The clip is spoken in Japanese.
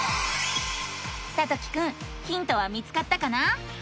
さときくんヒントは見つかったかな？